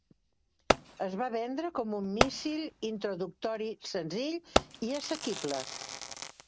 Es va vendre com un míssil introductori senzill i assequible.